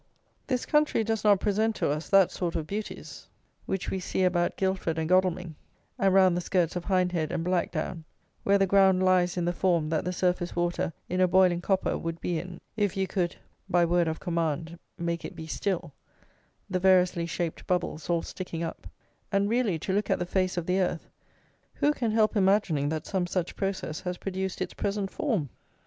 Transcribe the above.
This country does not present to us that sort of beauties which we see about Guildford and Godalming, and round the skirts of Hindhead and Blackdown, where the ground lies in the form that the surface water in a boiling copper would be in if you could, by word of command, make it be still, the variously shaped bubbles all sticking up; and really, to look at the face of the earth, who can help imagining that some such process has produced its present form?